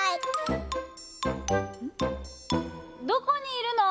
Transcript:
どこにいるの？